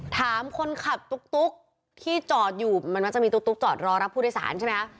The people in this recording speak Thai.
ถามคนขับตุ๊กที่จอดอยู่มันมักจะมีตุ๊กจอดรอรับผู้โดยสารใช่ไหมคะ